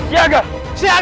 kita semua harus siaga